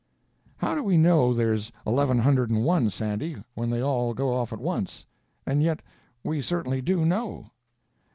"How do we know there's eleven hundred and one, Sandy, when they all go off at once?—and yet we certainly do know."